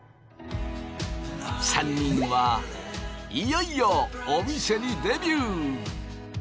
３人はいよいよお店にデビュー。